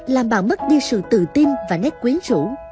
làm bạn mất đi sự tự tin và nét quyến rũ